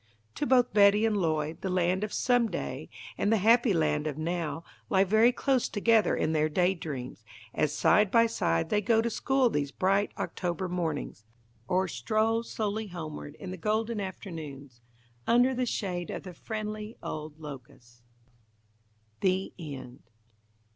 To both Betty and Lloyd the land of Someday and the happy land of Now lie very close together in their day dreams, as side by side they go to school these bright October mornings, or stroll slowly homeward in the golden afternoons, under the shade of the friendly old locusts. THE END.